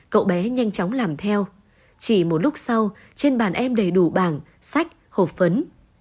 chỉ một lúc sau trên bàn em đầy đủ bảng sách hộp phấn